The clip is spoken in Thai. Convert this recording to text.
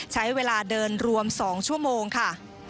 ใช้เวลาเดินรวม๒ชั่วโมงค่ะ